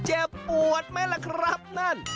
เจ็บปวดไหมล่ะครับนั่น